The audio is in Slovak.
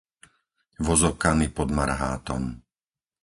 Vozokany pod Marhátom